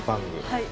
はい。